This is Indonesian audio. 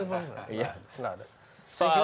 iya nggak ada